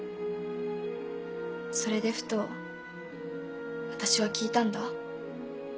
それでふと私は聞いたんだ。